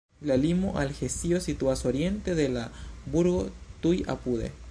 La limo al Hesio situas oriente de la burgo tuj apude.